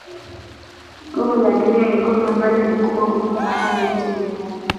kombe la dunia ni kombe ambalo ni kubwa kuliko makombe yote duniani